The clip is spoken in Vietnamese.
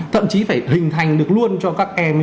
thậm chí phải hình thành được luôn cho các em